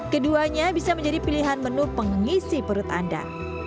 keduanya bisa menjadi pilihan menu pengisi perut anda